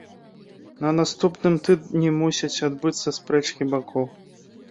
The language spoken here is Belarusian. На наступным тыдні мусяць адбыцца спрэчкі бакоў.